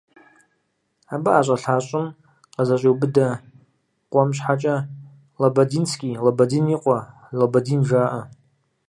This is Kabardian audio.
Абы ӀэщӀэлъа щӀым къызэщӀиубыдэ къуэм щхьэкӀэ «Лабадинский», «Лабадин и къуэ», «Лабадин» жаӀэ.